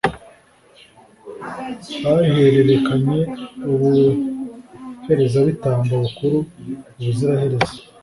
bahererekanye ubuherezabitambo bukuru ubuziraherezo.